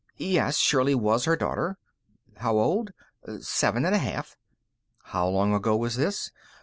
Yes, Shirley was her daughter. How old? Seven and a half. How long ago was this?